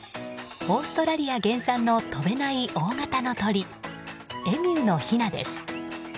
オーストラリア原産の飛べない大型の鳥エミューのひなです。